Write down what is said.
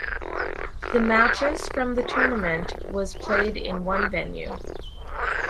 The matches from the tournament was played in one venue.